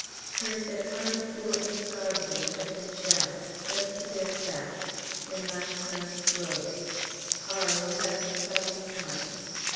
Heard that Hartlepool and Scarboro' have been shelled just the bare fact in last night's 'Globe.' R. will have an exciting time.